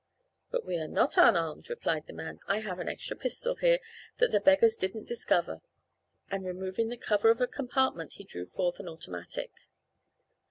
"But we are not unarmed," replied the man. "I have an extra pistol here, that the beggars didn't discover," and, removing the cover of a compartment, he drew forth an automatic.